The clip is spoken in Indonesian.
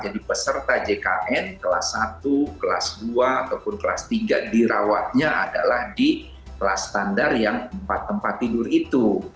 jadi peserta jkn kelas satu kelas dua ataupun kelas tiga dirawatnya adalah di kelas standar yang empat tempat tidur itu